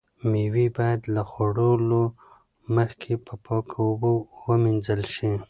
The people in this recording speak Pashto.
مېوې باید له خوړلو مخکې په پاکو اوبو ومینځل شي.